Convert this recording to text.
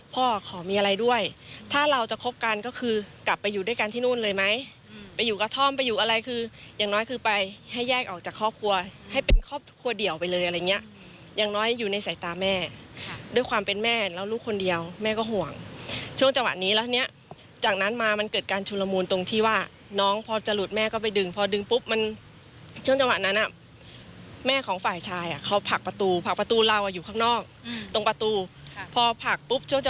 พ่อขอมีอะไรด้วยถ้าเราจะคบกันก็คือกลับไปอยู่ด้วยกันที่นู่นเลยไหมไปอยู่กับท่อมไปอยู่อะไรคืออย่างน้อยคือไปให้แยกออกจากครอบครัวให้เป็นครอบครัวเดี่ยวไปเลยอะไรอย่างเงี้ยอย่างน้อยอยู่ในสายตาแม่ค่ะด้วยความเป็นแม่แล้วลูกคนเดียวแม่ก็ห่วงช่วงจังหวะนี้แล้วเนี้ยจากนั้นมามันเกิดการชุนละมูลตรงที่ว่าน้องพอจะห